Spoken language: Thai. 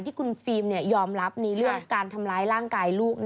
ที่คุณฟิล์มยอมรับในเรื่องการทำร้ายร่างกายลูก